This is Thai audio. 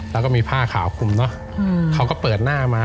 แล้วก็มีผ้าขาวคุมเนอะเขาก็เปิดหน้ามา